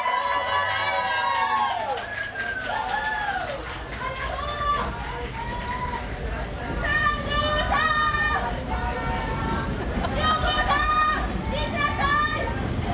いってらっしゃい！